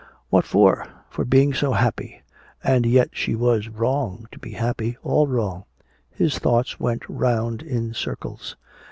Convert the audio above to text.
What for? For being so happy! And yet she was wrong to be happy, all wrong! His thoughts went 'round in circles.